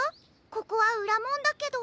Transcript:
ここはうらもんだけど。